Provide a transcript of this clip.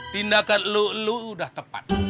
tindakan lo lo udah tepat